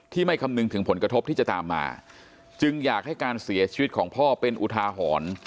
ไม่คำนึงถึงผลกระทบที่จะตามมาจึงอยากให้การเสียชีวิตของพ่อเป็นอุทาหรณ์